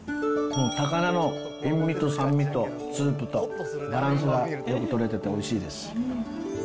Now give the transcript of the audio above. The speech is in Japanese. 高菜の塩味と酸味とスープとバランスがよく取れてておいしいです。